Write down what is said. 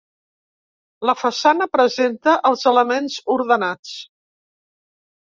La façana presenta els elements ordenats.